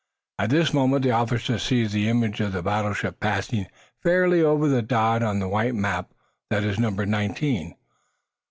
At this moment the officer sees the image of the battleship passing fairly over the dot on the white map that is numbered nineteen.